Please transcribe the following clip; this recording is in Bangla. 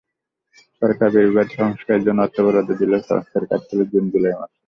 সরকার বেড়িবাঁধ সংস্কারের জন্য অর্থ বরাদ্দ দিলেও সংস্কার কাজ চলে জুন-জুলাই মাসে।